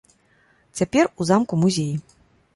Цяпер у замку музей.